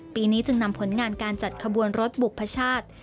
ปีนี้จึงนำผลงานการจัดขบวนรถบุพชาติ